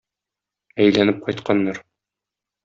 Әйләнеп кайтканнар.